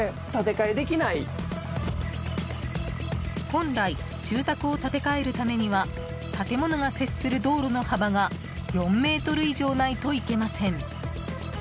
本来住宅を建て替えるためには建物が接する道路の幅が４ｍ以上ないといけません。